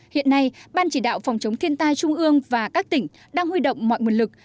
hiện nay ban chỉ đạo phòng chống thiên tai trung ương và các tỉnh đang huy động mọi nguồn lực